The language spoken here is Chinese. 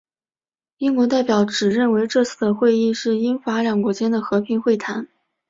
英国代表只认为这次的会议是英法两国间的和平会谈。